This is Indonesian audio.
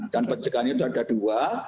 dan pencegahannya sudah ada dua